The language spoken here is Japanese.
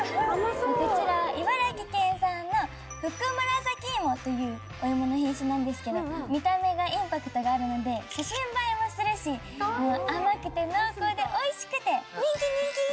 こちらは。というお芋の品種なんですけど見た目がインパクトがあるので写真映えもするし甘くて濃厚でおいしくて。